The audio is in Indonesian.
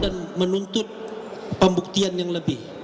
dan menuntut pembuktian yang lebih